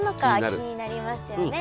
気になりますよね！